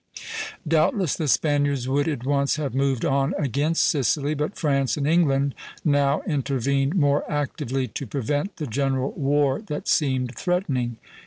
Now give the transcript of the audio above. Doubtless the Spaniards would at once have moved on against Sicily; but France and England now intervened more actively to prevent the general war that seemed threatening.